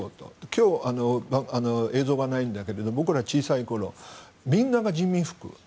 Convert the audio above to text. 今日、映像がないんだけど僕ら小さい頃みんなが人民服。